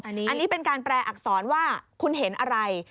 อันนี้เป็นการแปลอักษรว่าคุณเห็นอะไร